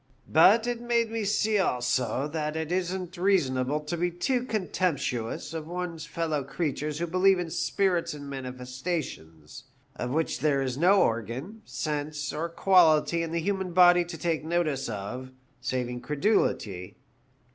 But it made me see also that it isn't reasonable to be too contemptuous of one's fellow creatures who believe in spirits and manifestations, of which there is no organ, sense, or quality in the human body to take notice of, saving credulity.